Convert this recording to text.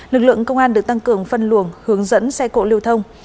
lực lượng công an được tăng cường phân luồng hướng dẫn xe cộ lưu thông